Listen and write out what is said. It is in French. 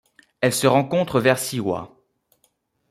Elle se rencontre vers Siwa.